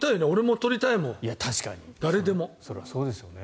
それはそうですよね。